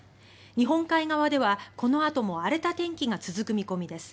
日本海側では、このあとも荒れた天気が続く見込みです。